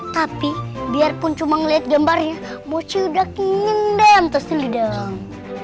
tapi biarpun cuma ngeliat gambarnya mochi udah keningin deh yang terselidang